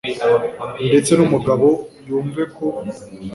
ndetse n'umugabo yumve ko